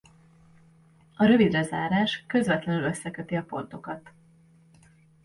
A rövidre zárás közvetlenül összeköti a pontokat.